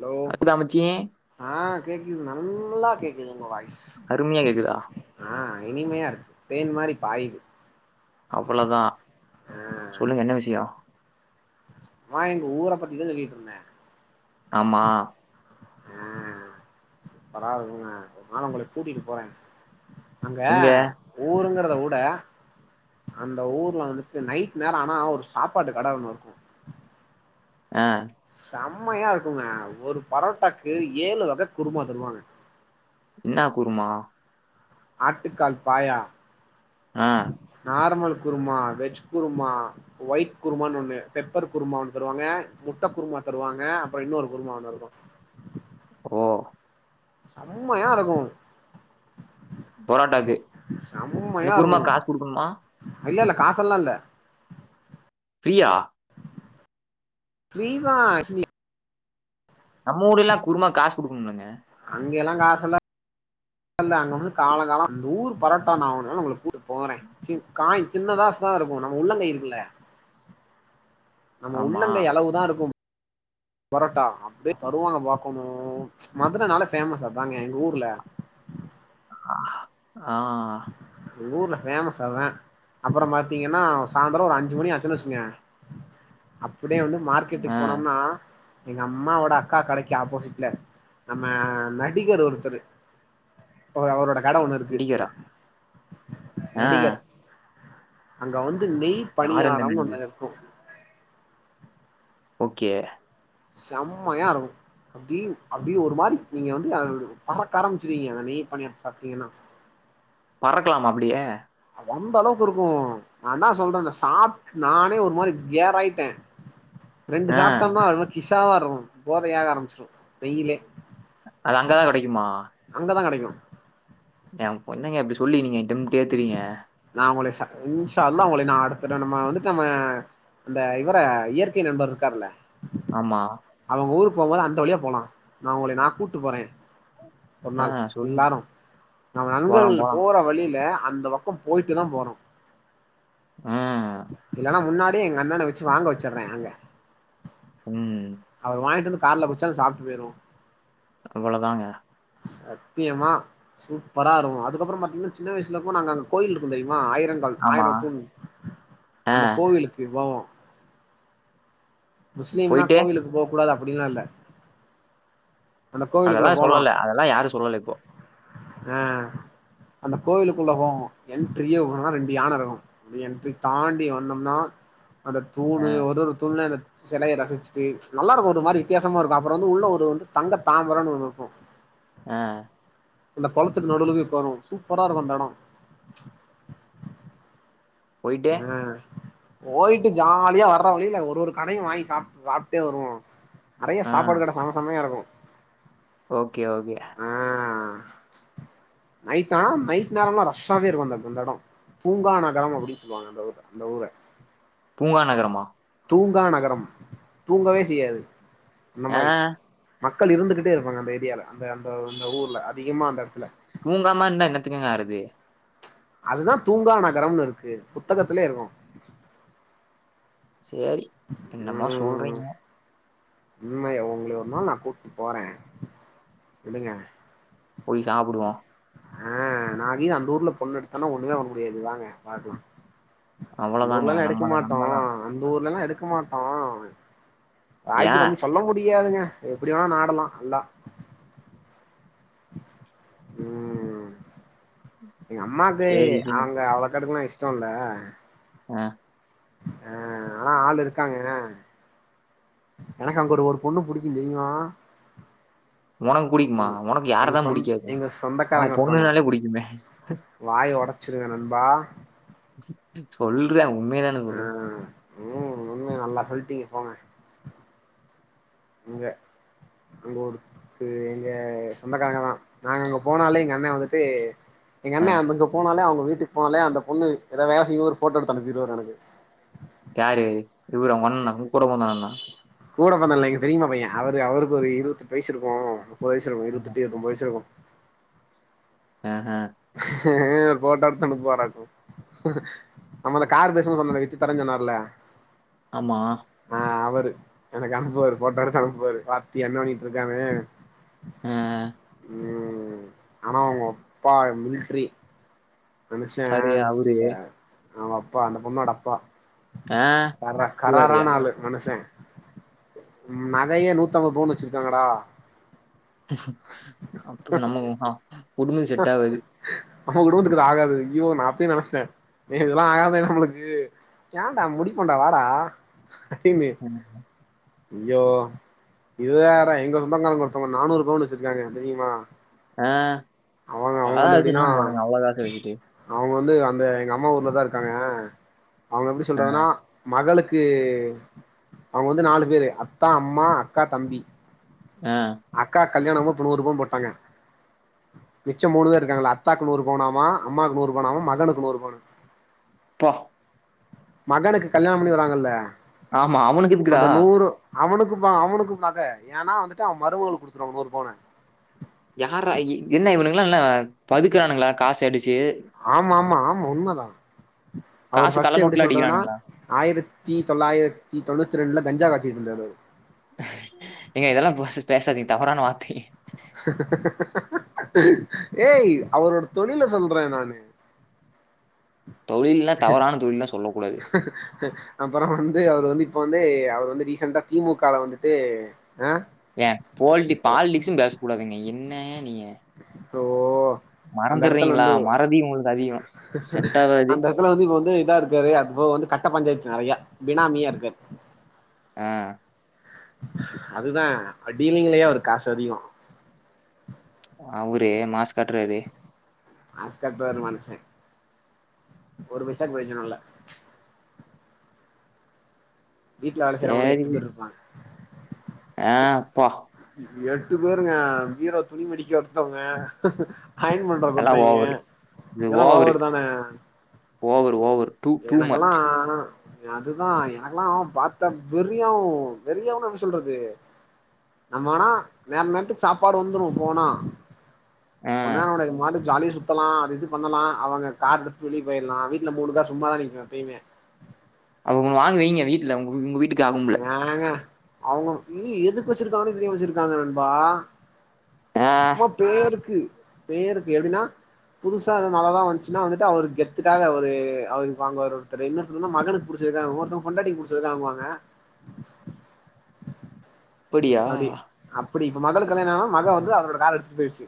Hello கேக்குதா மச்சீ ஆ கேக்குது நல்லா கேக்குது உங்க வாய் அருமையா கேக்குதா ஆ இனிமையா இருக்கு தேன் மாரி பாய்து அவ்வளவ் தா ஆ சொல்லுங்க என்ன விஷியோ வா எங்க ஊர பத்திதா சொல்லிட்ருந்தே ஆமா ம் இப்பதா அது [unintelligible] ங்க ஒரு நாளு உங்கள கூட்டிட்டு போறே அங்க எங்க ஊருங்கற்த உட அந்த ஊர்ல வந்துட்டு நைட் நேரோ ஆனா ஒரு சாப்பாடு கட ஒன்னுருக்கு ஆ செம்மையா இருக்குங்க ஒரு பரோட்டாக்கு ஏழு வக குருமா தருவாங்க இன்னா குருமா ஆட்டுக்கால் பாயா ஆ நாருமல் குருமா வெஜ் குருமா ஒய்ட் குருமான் ஒன்னு பெப்பரு குருமா ஒன்னு தருவாங்க முட்ட குருமா தருவாங்க அப்றோ இன்னொரு குருமா ஒன்னு இருக்கு ஓ சம்மயா இருக்கு பொரோட்டாக்கு அந்த குருமாக் காஸ் குடுக்குண்மா ஐயோ இல்ல காஸெல்லா இல்ல ஃப்ரீயா ஃப்ரிதா ஆக்சுலி நம்ம ஊரில்லா குருமாக் காஸ் குடுக்குணும்ளங்க அங்கேலா காசெல்லா இல்ல அங்க வந்து காலோ காலோ அந்த ஊர் பரோட்டா நா ஒரு நாளு கூட் உங்கள கூட்டு போறே சின் காய் சின்னதாஸ்தா இருக்கு நம்ம உள்ளங்கை இருக்குல நம்ம ஆமா உள்ளங்கை அளவுதா இருக்கும் பொரோட்டா அப்டியே தருவாங்க பாக்கணு மதுரனாலே ஃபேமஸ் அதாங்க எங்க ஊர்ல ஆ எங்க ஊர்ல ஃபேமஸ் அதா அப்புறோ பாத்தீங்கனா சாந்துரோ ஒரு அஞ்சு மணி ஆச்சுன் வச்சுகுங்க இப்டியே வந்து ஆ மார்க்கெட்டுக் போனோம்னா எங்க அம்மாவோட அக்கா கடைக்கு ஆப்போசிட்ல நம்ம நடிகர் ஒருத்தரு அவுரு அவரோட கட ஒன்னு இருக்கு இதுல நடிகரா ஆ நடிகர் அங்க வந்து நெய் யார் அந்த பணியாரம் ஒன்னு நடிகர் ஓகே செம்மையா இருக்கு அப்டீன் அப்டியே ஒரு மாரி நீங்க வந்து அ பறக் ஆரமிச்சிர்வீங்க அந்த நெய் பணியார்த் சாப்டீங்கனா பறக்லாமா அப்டியே அது அந்த அளவுக்கு இருக்கு நான்தா சொல்றல்ல சாப்ட் நானே ஒரு மாரி கேர் ஆய்ட்டே ரெண்டு ஆ சாப்ட்டம்னா அது ம கிஸாவா இருக்கு போதையாக ஆரமிச்சிரு வெயிலே அது அங்கதா கெடைக்குமா அங்கதா கெடைக்கு ஏ பொண்ணுங்க அப்டி சொல்லி நீங்க ஏன்கிட்டம் கேக்குறீங்க நான் உங்குள ஸா ஈஸா அல்லா உங்களை நா அடுத்த டைம் நம்ம வந்துட்டு நம்ம அந்த இவர இயற்கை நண்பர் இருக்காருல ஆமா அங்க ஊருக் போகும்போது அந்த வழியா போலா நான் உங்களை நா கூட்டு போறே ஒரு ஆ நாள் சொல்லுங்க எல்லாரு நம்ம போலாம் நண்பர்கள் போலாம் போற வழில அந்த பக்கம் போயாட்டுதா போறோ ம் இல்லனா முன்னாடியே எங்க அண்ணண வச்சு வாங்க வச்சுறே அங்க ம். அவர் வாய்ன்ட்டு வந்து கார்ல குட்ச்சா அது சாப்ட்டு போய்ர்வோ அவுளோதாங்க சத்தியமா சூப்பரா இருக்கு அதுக்கப்புறம் பாத்தீங்னா சின்ன வய்சுல இருக்குமோது நாங்க அங்க கோயில் இருக்கு தெரிமா ஆயிரங்கால் ஆமா. ஆயிரோ தூண் ஆ அந்த கோவிலுக்கு போவோ முஸ்லீம்னா போயிட்டு கோவிலுக்கு போகூடாது அப்புடிலா இல்ல அந்த கோவிலுக்குள்ள அதெல்லா சொல்லல அதெல்லா யாரு சொல்லல இப்போ அ அந்த கோவிலுக்குள்ள போவோ என்ட்ரியே ஒரு ரெண்டு யானை இருக்கு அப்ப என்ட்ரி தாண்டி வந்தம்னா அந்த ஆ, தூணு ஒரு ஒரு தூண்ல அந்த செலையை ரசிச்சுட்டு நல்லா இருக்கு ஒரு மாரி வித்தியாசமா இருக்கு அப்புறோ வந்து உள்ள ஒரு வந்து தங்க தாமரன் ஒனனு இருக்கு அ அந்த கொளத்துக்கு நடுவில போய் உக்காருவோ சூப்பரா இருக்கு அந்த எடோ போயிட்டு ம் போய்ட்டு ஜாலியா வர்ற வழில ஒரு ஒரு கடையு வாங்கி சாப் சாப்ட்டே வருவோ நறைய ஆ சாப்பாடு கட சம சமையா இருக்கு ஓகே ஓகே ஆ நைட் ஆனா நைட் நேரம்லா ரஷ்ஷாவே இருக்கு அந்த அந்த எடோ தூங்கா நகரம் அப்டின் சொல்வாங்க அந்த ஊர அந்த ஊர பூங்கா நகரமா தூங்கா நகரம் தூங்கவே செய்யாது அந்த ஆ மாரி மக்கள் இருந்துகிட்டே இருப்பாங்க அந்த ஏரியால அந்த அந்த அந்த ஊர்ல அதிகமா அந்த இடத்துல தூங்காம இருந்தா என்னத்துக்கங்க ஆகுறது அதுதா தூங்கா நகரம்னு இருக்கு புத்தகத்திலயே இருக்கு சேரி என்னம்மோ சொல்றீங்க உண்மையா உங்கள ஒரு நாள் நா கூட்னு போற விடுங்க போய் சாப்டுவோ ஆ நாகீ அந்த ஊர்ல பொண்ணு எடுத்தனா ஒண்ணுமே பண்ண முடியாது வாங்க பாக்கலா அந்த அவ்வளதாங்க. ஊர்லல்லா நம்ம எடுக்க தான் மாட்டோ நம்ம தான். அந்த ஊர்லல்லா எடுக்க மாட்டோ வாய்ப்பு ஏன்? கம்மி சொல்ல முடியாதுங்க எப்டி வேணா நாடலா நல்லா ம் எங்க அம்மாக்கு சரி, சரி. அவங்க அவ்ளோ காடுக்லா இஷ்டோ இல்ல அ அ ஆனா ஆள் இருக்காங்க எனக்கு அங்க ஒரு ஒரு பொண்ணு புடிக்கு தெரியுமா உனக்கு புடிக்குமா? எங் உனக்கு யார எங்க தான் சொந் புடிக்காது? எங்க உனக்கு சொந்தக்காரங்க ஒருத்தவங்க பொண்ணுனாலே புடிக்குமே! வாய ஒடச்சிருவ நண்பா சொல்ற உண்மையதான சொல்ற ஆ ம் உண்மைய நல்லா சொல்ட்டிங்க போங்க இங்க அங்க ஒருத்து எங்க சொந்தக்காரங்க தா நாங்க அங்க போனாலே எங்க அண்ண வந்துட்டு ஆ எங்கண்ண அங்க போனாலே அவங்க வீட்டுக்கு போனாலே அந்த பொண்ணு ஏதாவ வேல செய்ரத ஒரு ஃபோட்டோ எடுத்து அனுப்பிடுவாரு எனக்கு யாரு இவரு ஒங்கண்ணணா உங் கூட பொறந்த அண்ணணா கூட பிறந்தல்ல எங்க பெரிமா பைய அவரு அவருக்கு ஒரு இருவதெட்டு வைசு இருக்கு முப்பது வைசு இருக்கு இருவத்தெட்டு இருவத்தொம்பது வைசு இருக்கு அஹ அ இவரு ஃபோட்டா எடுத்து அனுப்புவாராக்கு நம்ம அந்த காரு பேசமோத சொன்னல வித்து தரன்னு சொன்னார்ல ஆமா ஆ அவரு எனக்கு அனுப்புவாரு ஃபோட்டோ எடுத்து அனுப்புவாரு பாத்தியா என்ன பண்ணிட்டு இருக்கான்னு அ ம் ஆனா அவங்கப்பா மில்ட்ரி மனுச அவரு அவரு ச அவங்ப்பா அந்த பொண்ணோட அப்பா ஆ கர இதுவாருயா? கரரான ஆளு மனுசே நகயே நூத்தம்பது பவுன் வச்சிர்க்காங்கடா ம் அப்ப நம்ம அ உடும்புக்கு செட் ஆவாது நம்ம குடும்பத்துக்கு இதுஆகாது ஐயோ நா அப்யே நெனச்சிட்டே நீ இதெல்லா ஆகாது நம்ளுக்கு ஏன்டா முடிப்போன்டா வாடா அடின்னு ம் ஐயோ இது வேற எங்க சொந்தகாரங்க ஒருத்தங்க நானூறு பவுனு வச்சிர்க்காங்க தெரியுமா ஆ அவங்க அவங்க அதுலா வந்து எதுக்கு எப்டின்னா அத போனுங்க அவ்ளோ காச வச்சிட்டு அவங்க வந்து அந்த எங்க அம்மா ஊர்ல தா இருக்காங்க அவுங்க எப்டி ஆ, சொல்றதுனா மகளுக்கு அவுங்க வந்து நாலு பேரு அத்தா அம்மா அக்கா தம்பி ஆ அக்கா கல்யாணாபோ இப்ப நூறு பவுனு போட்டாங்க மிச்ச மூனூபேரு இருக்காங்க அத்தாக்கு நூறு பவ்னாம அம்மாக்கு நூறு பவ்னாம மகனுக்கு நூறு பவுனு ப்பா மகனுக்கு கல்யாண பண்ணி வராங்கல்ல ஆமா. அவனுக்கு எதுக்குடா? அந்த நூறூ அவனுக்குஅப அவனுக்கு பக ஏன்னா வந்துட்டு அவ மருமகள்க் குடுத்துருவா நூறூ பவ்ன யார்ரா எ என்ன இவுகனுங்களா என்ன பதுக்றானுங்களா காசு அடிச்சு ஆமா ஆமா ஆமா உண்மதா அவரு காசு கள்ள ஃபர்ஸ்ட் எப்டி நோட்லாம் சொல்ராருனா அடிக்கிறானுங்களா? ஆயிரத்தி தொள்ளாயிரத்தி தொண்ணூத் ரெண்டுல கஞ்சா காய்ச்ட்டு இருந்தாரு அவுரு நீங்க இதெல்லா பஸ்ட் பேசாதீங்க தவறான வார்த்தைங்க ஏய் அவரோட தொழில சொல்றே நானூ தொழில்லாம் க்க தவறான தொழில்லாம் சொல்லக்கூடாது. இக்கக இக அப்புறோ வந்து அவரு வந்து இப்ப வந்து அவரு வந்து ரீசண்டா திமுகால வந்துட்டு அ ஏ போல்டி பாலிடிக்ஸூ பேச கூடாதுங்க என்ன நீங்க ஓ அந்த எடத்துல மறந்துடுறீங்களா வந்து மறதி ஒங்களுக்கு அதிகோ செட் ஆவாது அதுல வந்து இப்ப வந்து இதா இருக்காரு அதுப்போக வந்து கட்ட பஞ்சாய்த்து நெறயா பினாமியா இருக்காரு ஆ அதுதா டீலிங்லயே அவரு காசு அதிகோ அவுரே மாஸ் காட்றாரே மாஸ் காட்வாரு மனச ஒரு பைசாக்கு ப்ரயோசனமில்ல வீட்ல வேல செய்றவங்கலே சரி. எட்டு பேரு இருப்பாங்க ஆ அப்பா எட்டு பேருங்க பீரோ துணி மடிக்க ஒர்த்தவங்க அயன் பண் பப எல்லா ஒர்த்தைங்க ஓவரு இது இதெல்லா ஓவரு ஓவர் தானே ஓவரு ஓவரு டூ டூ எனக்கெலா மச் ஆ அதுதா எனக்கெல்லா பார்த்தா வெறியாவு வெறியாவன்னா எப்டி சொல்றது நம்மனா நேர நேரத்துக்கு சாப்பாடு வந்துடு போனா ஆ ஒரு நேர கெடயாது அது மாட்டுக்கு ஜாலியா சுத்தலா அது இது பண்ணலா அவுங்க கார எடுத்து வெளிய போயிடலா வீட்ல மூணு காரு சும்மாதா நிக்கு எப்பெயமே அவுங்க வாங்கி வைங்க வீட்ல ஒங் ஒங்க வீட்டுக்கு ஆகும்ல வேனாங்க அவுங்க ஏ எதுக் வச்சிர்க்காங்கன்னு தெரியாம வச்சிர்க்காங்க நண்பா ஆ சும்மா பேருக்கு பேருக்கு எப்டினா புதுசா எது நல்லதா வந்துச்சுன்னா வந்துட்டு அவரு கெத்துக்காக அவரு அவருக்கு வாங்வாரு ஒருத்தரு என்ன சும்மா மகனுக்கு புடிச்சதுதா ஒவ்வொருத்தங்க பொண்டாடிக்கு புடிச்சதா வாங்கு வாங்க அப்படியா அப்டி அப்டி இப்ப மகளுக் கல்யாணம் ஆனா மக வந்து அவரோட கார எடுத்துட் போயிடுச்சு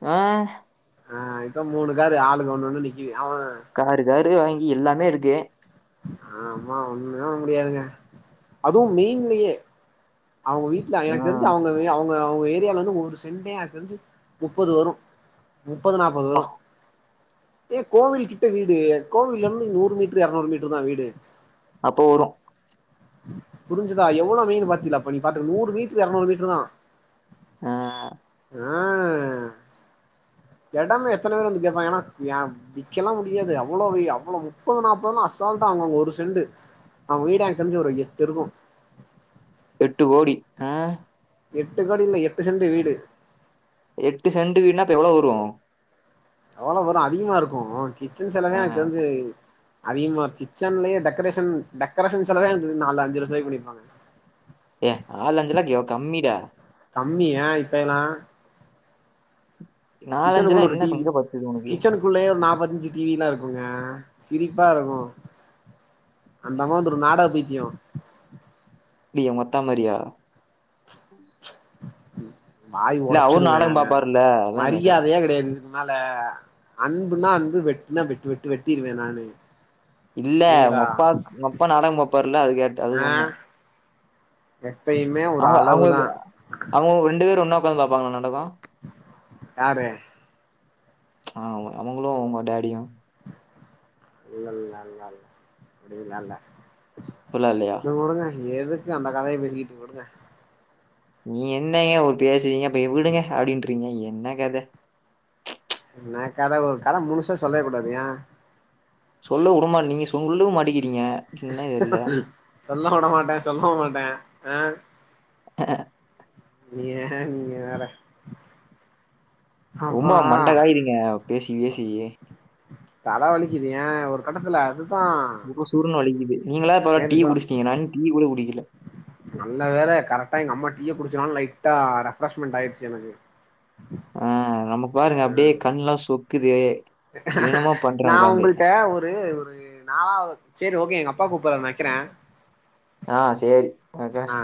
ஆ ஆ இப்போ மூணு காரு ஆளுக்கு ஒன்னு ஒன்னு நிக்கி அவ காரு காரு வாங்கி எல்லாமே இருக்கு நாம்லா ஒண்ணுமே வாங்க முடியாதுங்க அதுவு மெயின்லயே அவங்க வீட்ல எனக்கு தெரிஞ்சு ம் அவங்க அவங்க அவங்க ஏரியால வந்து ஒரு சென்டே எனக்கு தெரிஞ்சு முப்பது வரு முப்பது நாப்பது வரு அப்பா ஏய் கோவில் கிட்ட வீடு, கோவில்ல இருந்து நூறு மீட்டரு எரநூறு மீட்டருதா வீடு அப்போ வரு புரிஞ்சுதா எவ்ளோ மெயின் பாத்தில அப்ப நீ பாத்துக்க நூறு மீட்டரு எரநூறு மீட்டருதா ஆ ம் எடமே எத்தன பேர் வந்து கேப்பாங்க ஏனா ஏ விக்கலா முடியாது அவ்ளோ அவ்வள முப்பது நாப்பதுல்லா அசால்ட்டா வாங்வாங்க ஒரு சென்டு அவங்க வீடே எனக்கு தெரிஞ்சு ஒரு எட்டு இருக்கு எட்டு கோடி ஆ எட்டு கோடி இல்ல எட்டு சென்டு வீடு எட்டு சென்டு வீடுனா அப்ப எவ்ளோ வரு எவ்வளோ வரு அதிகமா இருக்கு கிச்சன் ஆ செலவே எனக் தெரிஞ்சு அதிகமா கிச்சன்லயே டெக்கரேஷன் டெக்கரேஷன் செலவே எனக்கு தெரிஞ்சு நாலு அஞ்சு லட்சரூவாய்க்கு பண்ணிருப்பாங்க ஏ நாலு அஞ்சுலா எவ் கம்மிடா கம்மியா இப்ப எல்லா நாலஞ்சு கிச்சனுக்குள்ள லா ஒரு என்ன டிவி எங்க பத்துது உனக்கு கிச்சனுக் உள்ளயே ஒரு நாப்பத்தஞ்சு குள்ளயே ஒரு நாப்பது இஞ்ச் டிவிலா இருக்குங்க சிரிப்பா இருக்கு அந்தம்மாவு இந்த நாடக பைத்தியோ எப்டியே உங் அத்தா மாரியா வாய் இல்ல அவரு ஒடச்சிருவே நாடகம் பாப்பாருல்ல அதான் கேக்குறேன் மரியாதையே கெடையாது இதுக்கு மேல அன்புனா அன்பு வெட்டுனா வெட்டு வெட்டு வெட்டிருவே நானு இல்ல ஒங்க சரிங்களா அப்பாக் ஒங்க அப்பா நாடக பாப்பாருல அது கேட் அது ஆ சொன்னே எப்பயுமே ஒரு அவங்க அளவுதா அவங்ளுக்கு அவங்க ரெண்டு பேரு ஒன்னா உக்காந்து பாப்பாங்ளா நாடக யாரு ஆ அவு அவுங்களு உங்க டேடியு இல்ல இல்லல்ல அப்படிலா இல்ல அப்டிலா இல்லையா வுடுங்கவுடுங்க எதுக்கு அந்த கதைய பேசிக்கிட்டு வுடுங்க நீ என்னங்க ஒரு பேசுவீங்க அப்பயே விடுங்க அப்டின்றீங்க என்ன கத என்னா கதை ஒரு கதை முழுசா சொல்லவே கூடாது ஏ சொல்ல வுடுமா, நீங்க சொல்லவு மாட்டிக்கிறீங்க என்ன தெர்ல சொல்ல வுட மாட்டே சொல்லவு மாட்டே ஆ ஏ நீங்க வேற அப்பா ரொம்ப மண்டகாயிறீங்க பேசி பேசி தல வலிக்குது ஏ ஒரு கட்டத்துல அது சுர் சுர்ன்னு வலிக்குது நீங்களா பரவால்ல நேத்து டீ சொ குடிச்சிட்டீங்க நா இன்னு டீ கூட குடிக்கல நல்ல வேல கரெக்டா எங்க அம்மா டீய குடிச்சனால லைட்டா ரெஃப்ரஷமெண்ட் ஆயிடுச்சு எனக்கு ஆ, நம்ம பாருங்க ஆ அப்டியே கண்லா சொக்குது என்னென்னமோ நா பண்றே உக்காந்து உங்கள்ட்ட ஒரு ஒரு நாளாவ் சரி ஓகே எங்க அப்பா கூப்றாரு நா வைக்றே ஆ சேரி அக்க ஆ